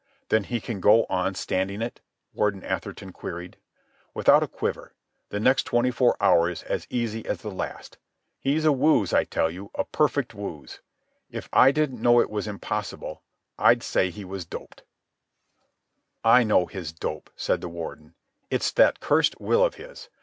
"Then he can go on standing it?" Warden Atherton queried. "Without a quiver. The next twenty four hours as easy as the last. He's a wooz, I tell you, a perfect wooz. If I didn't know it was impossible, I'd say he was doped." "I know his dope," said the Warden. "It's that cursed will of his.